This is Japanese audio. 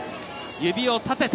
指を立てた。